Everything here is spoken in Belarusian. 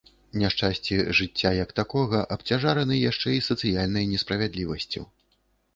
Няшчасці жыцця як такога абцяжараны яшчэ і сацыяльнай несправядлівасцю.